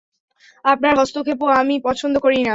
আপনার হস্তক্ষেপও আমি পছন্দ করি না।